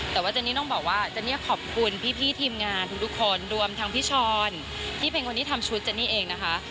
แต่ว่าเจนนี่ต้องบอกว่าเจนนี่ขอบคุณพี่ทีมงานทุกคนรวมทั้งพี่ช้อนที่เป็นคนที่ทำชุดเจนี่เองนะคะ